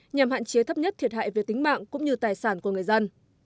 nhằm hạn chế thấp nhất thiệt hại về tính mạng cũng như tài sản của người dân